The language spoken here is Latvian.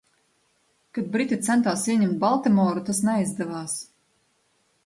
Kad briti centās ieņemt Baltimoru, tas neizdevās.